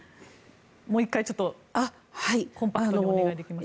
もう１回、ちょっとコンパクトにお願いできますか。